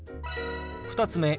２つ目。